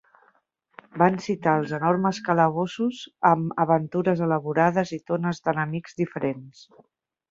Van citar els enormes calabossos amb aventures elaborades i tones d'enemics diferents.